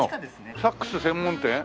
サックス専門店？